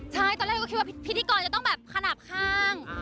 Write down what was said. ใช่ตอนแรกก็คิดว่าพิธีกรจะต้องแบบขนาดข้าง